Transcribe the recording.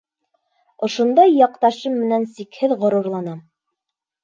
Ошондай яҡташым менән сикһеҙ ғорурланам.